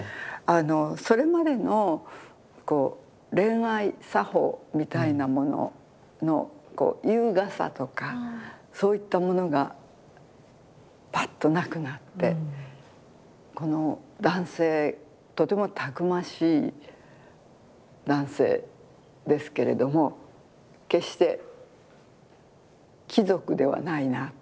それまでのこう恋愛作法みたいなものの優雅さとかそういったものがパッとなくなってこの男性とてもたくましい男性ですけれども決して貴族ではないなと。